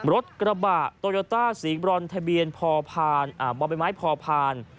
รถกระบะโตโยต้าสีบรอนทะเบียนพอพานอ่ามอเบนไม้พอพาน